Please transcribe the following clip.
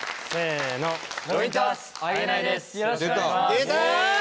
出た！